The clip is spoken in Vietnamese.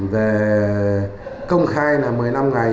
về công khai là một mươi năm ngày